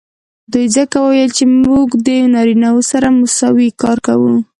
ځکه دوي وويل چې موږ د نارينه سره مساوي کار کو.